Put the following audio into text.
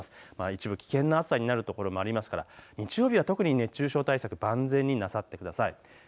一部、危険な暑さになるところもあるので日曜日は特に熱中症対策、万全になさってください。